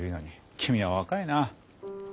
君は若いな。